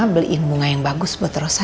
beliin bunga yang bagus buat rosa